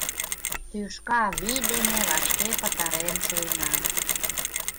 — Тӱшка вий дене вашке пытарен шуэна.